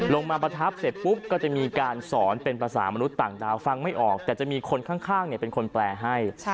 ประทับเสร็จปุ๊บก็จะมีการสอนเป็นภาษามนุษย์ต่างดาวฟังไม่ออกแต่จะมีคนข้างเป็นคนแปลให้